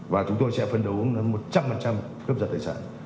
và chúng tôi sẽ phân đấu một trăm linh cướp giật tài sản